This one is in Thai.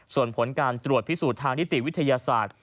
ส่วนผลการตรวจพิสูจน์ทางนิติวิทยาศาสตร์